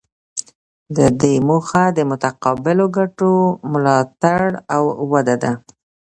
د دې موخه د متقابلو ګټو ملاتړ او وده ده